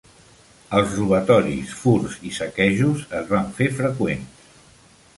Els robatoris, furts i saquejos es van fer freqüents.